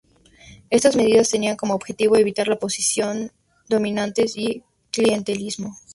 Estas medidas tenían como objetivo evitar las posiciones dominantes y el clientelismo.